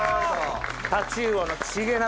タチウオのチゲ鍋